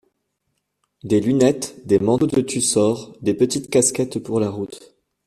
Des lunettes, des manteaux de tussor, des petites casquettes pour la route.